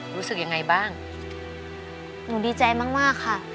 รู้สึกยังไงบ้างหนูดีใจมากมากค่ะ